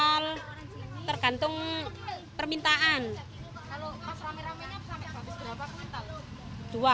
kalau mas rame ramenya berapa